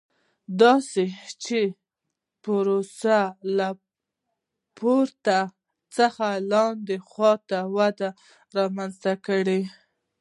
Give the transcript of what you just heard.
داسې چې پروسه له پورته څخه لاندې خوا ته وده رامنځته کړي.